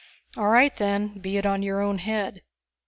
"All right then be it on your own head.